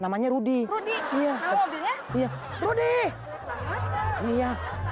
namanya rudy stp rudy adams radio iya ya